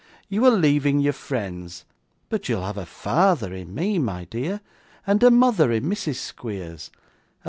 You are leaving your friends, but you will have a father in me, my dear, and a mother in Mrs. Squeers.